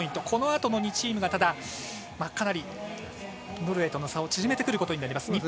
このあとも２チームがノルウェーとの差を縮めてくることになります。